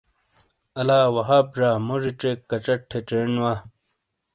الا وہاب زا موجی چیک کچٹ تھے چینڈ وا۔